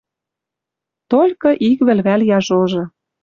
Толькы ик вӹлвӓл яжожы